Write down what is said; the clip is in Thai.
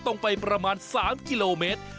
ตรงไปประมาณ๓กิโลเมตร